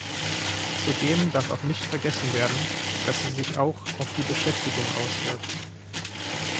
Zudem darf auch nicht vergessen werden, dass sie sich auch auf die Beschäftigung auswirkt.